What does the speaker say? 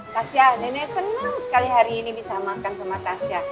tasya nenek senang sekali hari ini bisa makan sama tasya